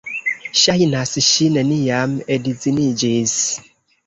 Ŝajnas, ŝi neniam edziniĝis.